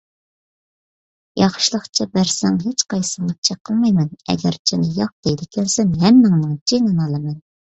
ياخشىلىقچە بەرسەڭ، ھېچقايسىڭغا چېقىلمايمەن، ئەگەرچەندە ياق دەيدىكەنسەن، ھەممىڭنىڭ جېنىنى ئالىمەن.